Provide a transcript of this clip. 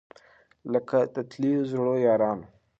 لکه د تللیو زړو یارانو